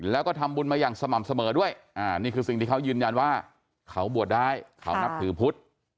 แล้วก็ทำบุญมาอย่างสม่ำเสมอด้วยนี่คือสิ่งที่เขายืนยันว่าเขาบวชได้เขานับถือพุทธ